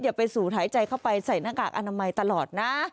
อย่าไปสูดหายใจเข้าไปใส่หน้ากากอนามัยตลอดนะ